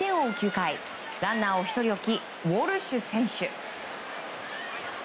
９回ランナーを１人置きウォルシュ選手。